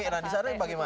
nah di sana bagaimana